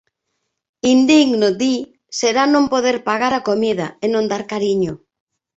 Indigno, di, será non poder pagar a comida, e non dar cariño.